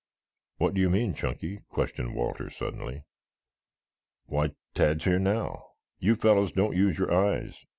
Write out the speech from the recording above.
"What do you mean, Chunky?" questioned Walter suddenly. "Why, Tad's here now. You fellows don't use your eyes.